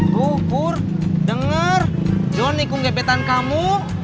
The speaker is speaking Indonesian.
tuh kur denger johnny kung gebetan kamu